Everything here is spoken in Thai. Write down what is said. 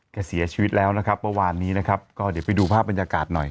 เสียชีวิตแล้วนะครับเมื่อวานนี้นะครับก็เดี๋ยวไปดูภาพบรรยากาศหน่อย